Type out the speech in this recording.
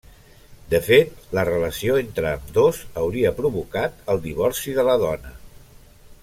De fet, la relació entre ambdós hauria provocat el divorci de la dona.